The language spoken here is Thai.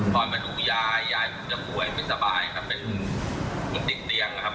ตอนมาดูยายยายผมจะป่วยไม่สบายครับเป็นเหมือนติดเตียงนะครับ